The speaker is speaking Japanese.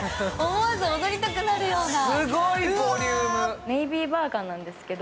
思わず踊りたくなるような。